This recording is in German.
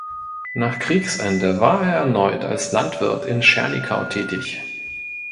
Nach Kriegsende war er erneut als Landwirt in Schernikau tätig.